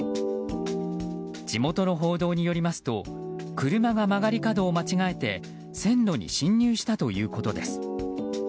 地元の報道によりますと車が曲がり角を間違えて線路に進入したということです。